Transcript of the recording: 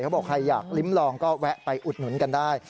บอกใครอยากลิ้มลองก็แวะไปอุดหนุนกันได้